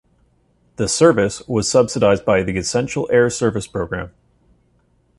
The service was subsidized by the Essential Air Service program.